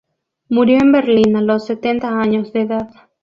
Murió en Berlín a los setenta años de edad.